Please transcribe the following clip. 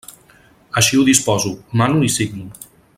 Així ho disposo, mano i signo.